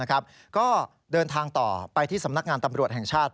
ก็เดินทางต่อไปที่สำนักงานตำรวจแห่งชาติ